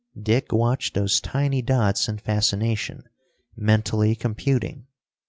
Dick watched those tiny dots in fascination, mentally computing.